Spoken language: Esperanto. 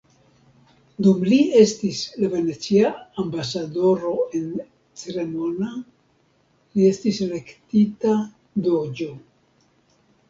Dum li estis la venecia ambasadoro en Cremona, li estis elektita "doĝo".